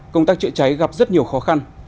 công tác trợ cháy gặp rất nhiều khó khăn